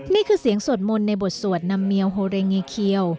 นี่คือเสียงสวดมนต์ในบทสวดนำเมียวโฮเรงีเคียว